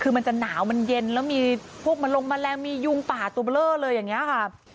คือมันจะหนาวมันเย็นแล้วมีพวกมันลงแมลงมียุงป่าตัวเบลอเลยอย่างนี้ค่ะ